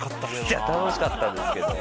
いや楽しかったですけど。